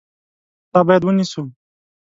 تا باید ونیسو !